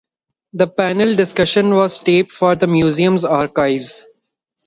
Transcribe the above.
The panel discussion was taped for the museum's archives.